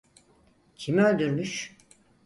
Kim öldürmüş?